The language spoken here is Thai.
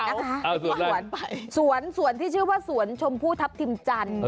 ไปที่สวนนะคะสวนที่ชื่อว่าสวนชมพูทัพทิมจันทร์